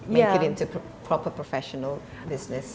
membuatnya menjadi bisnis profesional yang tepat